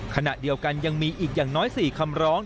ขณะเดียวกันยังมีอีกอย่างน้อย๔คำร้อง